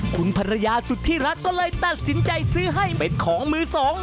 คุณภรรยาสุธิรักก็เลยตัดสินใจซื้อให้เป็นของมือสอง